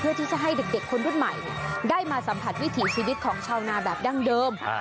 เพื่อที่จะให้เด็กคนรุ่นใหม่ได้มาสัมผัสวิถีชีวิตของชาวนาแบบดั้งเดิม